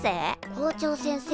校長先生